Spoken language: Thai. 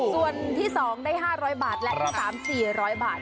ส่วนที่๒ได้๕๐๐บาทและที่๓๔๐๐บาท